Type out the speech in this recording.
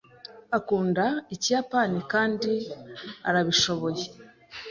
Akunda Ikiyapani, kandi arabishoboye.